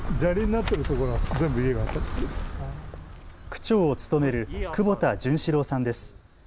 区長を務める久保田純史郎さんです。